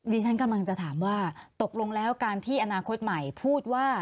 ดิฉันกำลังจะถามว่าตกลงแล้วการที่อนาคตใหม่พูดว่า